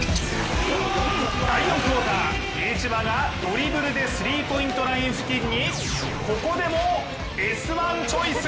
第４クオーター、比江島がドリブルでスリーポイントライン付近にここでも「Ｓ☆１」チョイス！